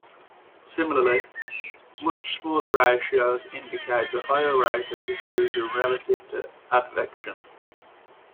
Similarly, much smaller ratios indicate a higher rate of diffusion relative to advection.